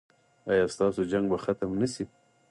ایا ستاسو جنګ به ختم نه شي؟